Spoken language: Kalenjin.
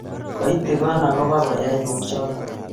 Koitigon akobo koyai kuchotok